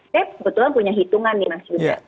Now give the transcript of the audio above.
saya sebetulnya punya hitungan nih mas yuda